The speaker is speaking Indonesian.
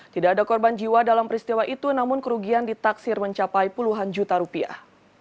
tidak ada korban jiwa dalam peristiwa itu namun kerugian ditaksir mencapai puluhan juta rupiah